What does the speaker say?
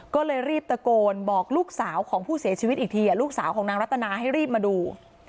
ก็เลยรีบตะโกนบอกลูกสาวของผู้เสียชีวิตอีกทีลูกสาวของนางรัตนาให้รีบมาดู